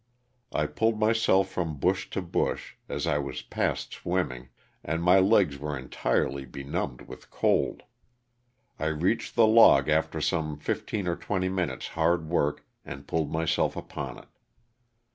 I pulled myself from bush to bush, as I was past swimming, and my legs were entirely benumbed with cold. I reached the log after some fifteen or twenty minutes hard work and pulled myself upon it.